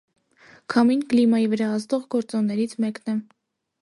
Քամին կլիմայի վրա ազդող գործոններից մեկն է։